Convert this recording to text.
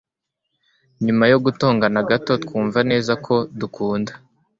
nyuma yo gutongana gato twumva neza ko dukunda